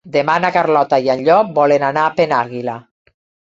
Demà na Carlota i en Llop volen anar a Penàguila.